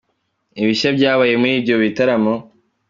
Ibishya byabaye muri ibyo bitaramo :.